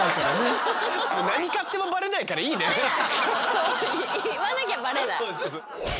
そう言わなきゃバレない。